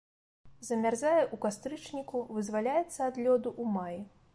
Замярзае ў кастрычніку, вызваляецца ад лёду ў маі.